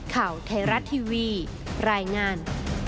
ข่าวไทยรัฐทีวีรายงาน